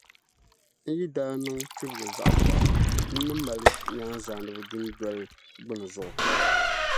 N yi daa niŋ kpibiga zaɣ’ biɛɣu, n ni mali nyaanzaaniba dunɔdali gbini zuɣu.